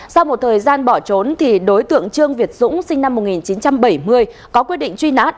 sau một thời gian bỏ trốn đối tượng trương việt dũng sinh năm một nghìn chín trăm bảy mươi có quyết định truy nã